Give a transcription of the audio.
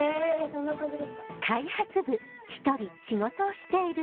どんな感じですか？